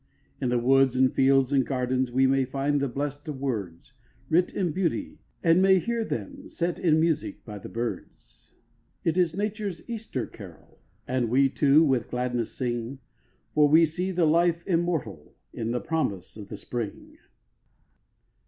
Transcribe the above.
In the woods and fields and gardens We may find the blessed words Writ in beauty, and may hear them, Set in music by the birds. It is Nature's Easter carol, And we, too, with gladness sing, For we see the Life immortal In the promise of the spring.